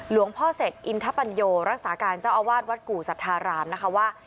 พ่อเสร็จอินทปัญโยรักษาการเจ้าอาวาสวัดกู่สัทธารามนะคะว่า